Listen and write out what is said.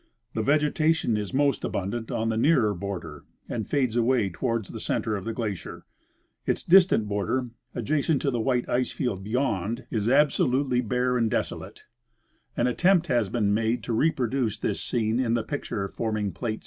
The vegetation is most abundant on the nearer border and fades away toward the center of the glacier. Its distant border, adjacent to the white ice field beyond, is 120 I. C. Russell— Expedition to Mount St. Ellas. absolutely bare and desolate. An attempt has been made to re produce this scene in the picture forming plate 16.